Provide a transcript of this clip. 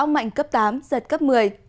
sức gió mạnh cấp tám giật cấp một mươi